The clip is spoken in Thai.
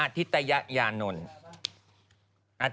ธิตยยานนท์